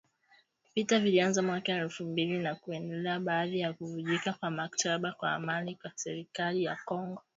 Vita vilianza mwaka elfu mbili na kuendelea baada ya kuvunjika kwa mkataba wa amani wa serikali ya Kongo